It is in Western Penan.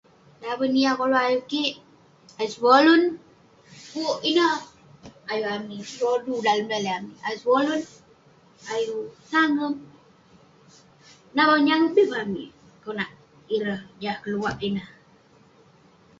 Daven yah koluk ayuk kik..ayuk sevolun, pu'kuk ineh ayuk amik rodu dalem dalik amik..ayuk sevolun..ayuk sangep, menabang nyagep bi keh amik konak ireh jah keluak ineh..